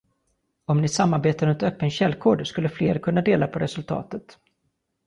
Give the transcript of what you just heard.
Om ni samarbetar runt öppen källkod skulle fler kunna dela på resultatet.